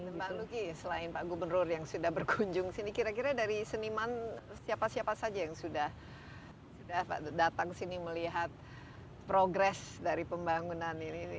mbak luki selain pak gubernur yang sudah berkunjung sini kira kira dari seniman siapa siapa saja yang sudah datang sini melihat progres dari pembangunan ini